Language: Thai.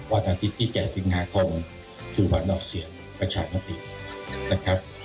วันอาทิตย์ที่๗สิงหาคมคือวันออกเสียงประชามตินะครับ